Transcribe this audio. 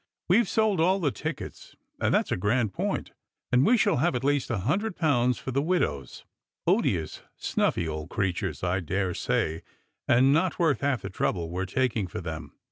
" We've sold all the tickets, and that's a grand point, and we shall have at least a hundred pounds for the widows; odious snuffy old creatures, I daresay, and not worth half the trouble we are taking for them.